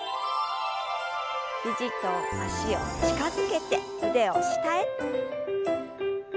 肘と脚を近づけて腕を下へ。